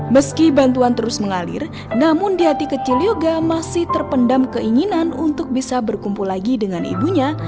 meski bantuan terus mengalir namun di hati kecil yoga masih terpendam keinginan untuk bisa berkumpul lagi dengan ibunya